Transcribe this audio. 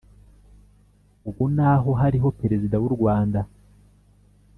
ubu naho hariho perezida w’u Rwanda